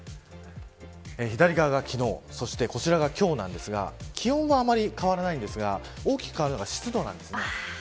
左側が昨日そしてこちらが今日なんですが気温はあんまり変わらないんですが大きく変わるのが湿度なんですね。